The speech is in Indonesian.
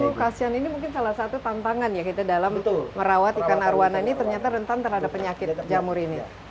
edukasi ini mungkin salah satu tantangan ya kita dalam merawat ikan arowana ini ternyata rentan terhadap penyakit jamur ini